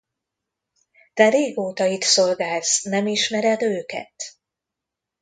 Te régóta itt szolgálsz, nem ismered őket?